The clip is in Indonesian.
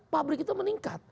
pabrik itu meningkat